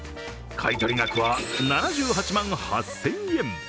買い取り額は、７８万８０００円。